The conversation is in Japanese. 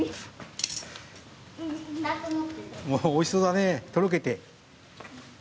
おいしそうだねとろけて。